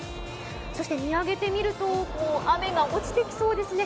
そして見上げてみると、雨が落ちてきそうですね。